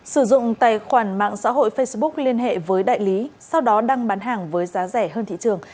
sử dụng tài khoản mạng xã hội facebook liên hệ với đại lý sau đó đăng bán hàng với giá rẻ hơn thị trường